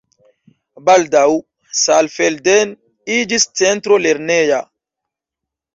Baldaŭ Saalfelden iĝis centro lerneja.